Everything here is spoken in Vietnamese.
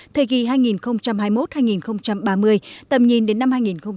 thời kỳ hai nghìn hai mươi một hai nghìn ba mươi tầm nhìn đến năm hai nghìn năm mươi